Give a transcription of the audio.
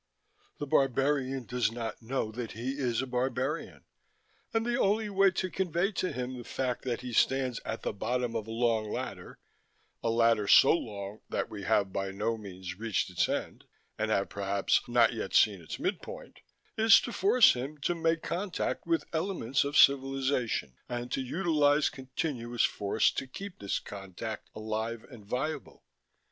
The barbarian does not know that he is a barbarian, and the only way to convey to him the fact that he stands at the bottom of a long ladder a ladder so long that we have by no means reached its end, and have perhaps not yet seen its midpoint is to force him to make contact with elements of civilization, and to utilize continuous force to keep this contact alive and viable.